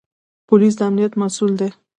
پولیس د امنیت مسوول دی